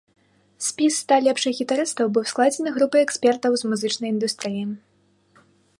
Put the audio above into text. Спіс ста лепшых гітарыстаў быў складзены групай экспертаў з музычнай індустрыі.